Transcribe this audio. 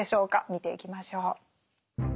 見ていきましょう。